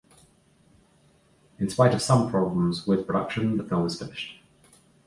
In spite of some problems with production, the film is finished.